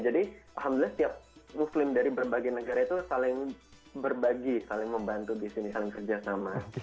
jadi alhamdulillah setiap muslim dari berbagai negara itu saling berbagi saling membantu disini saling kerja sama